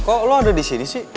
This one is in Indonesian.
kok lo ada di sini sih